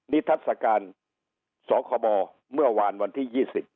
ทัศกาลสคบเมื่อวานวันที่๒๐